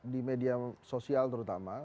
di media sosial terutama